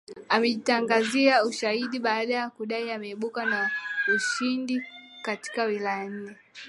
amejitangazia ushindi baada ya kudai ameibuka na ushindi katika wilaya nne